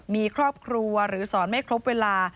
มีครอบครัวหรือสอนไม่ครบเวลา